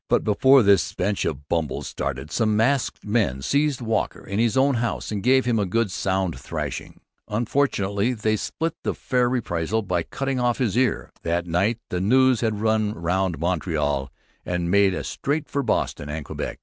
But before this bench of bumbles started some masked men seized Walker in his own house and gave him a good sound thrashing. Unfortunately they spoilt the fair reprisal by cutting off his ear. That very night the news had run round Montreal and made a start for Boston and Quebec.